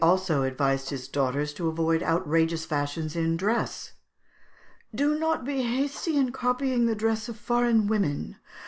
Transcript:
] Latour Landry also advised his daughters to avoid outrageous fashions in dress. "Do not be hasty in copying the dress of foreign women.